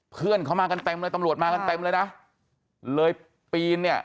เพื่อนเขามากันเต็มเลยตำรวจมากันเต็มเลยนะเลยปีนเนี่ย